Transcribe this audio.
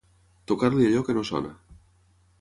Tocar-li allò que no sona.